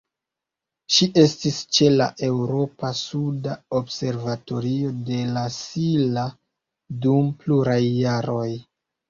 Ŝi estis ĉe la Eŭropa suda observatorio de La Silla dum pluraj jaroj.